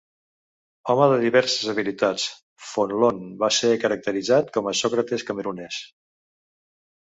Home de diverses habilitats, Fonlon va ser caracteritzat com a Sòcrates camerunès.